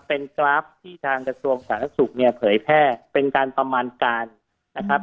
เป็นกราฟที่ทางกระทรวงสาธารณสุขเนี่ยเผยแพร่เป็นการประมาณการนะครับ